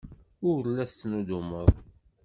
Ur la tettnuddumeḍ.